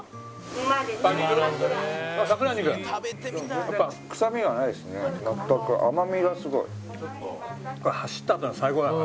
甘みがすごい。